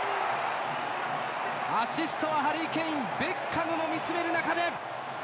アシストはハリー・ケインベッカムも見つめる中で。